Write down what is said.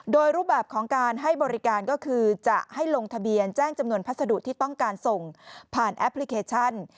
โดยรูปแบบของการให้บริการก็คือจะให้ลงทะเบียนแจ้งจำนวนพัสดุที่ต้องการส่งผ่านแอปพลิเคชัน